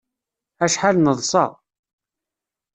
Acḥal neḍsa!